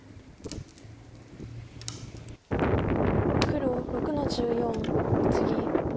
黒６の十四ツギ。